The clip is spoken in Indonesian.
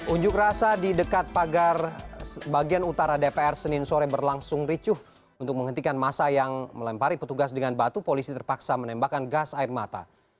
unjuk rasa di dekat pagar bagian utara dpr senin sore berlangsung ricuh untuk menghentikan masa yang melempari petugas dengan batu polisi terpaksa menembakkan gas air mata